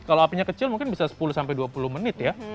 kalau apinya kecil mungkin bisa sepuluh sampai dua puluh menit ya